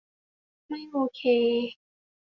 ไม่โอเค.